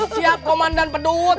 siap komandan pedut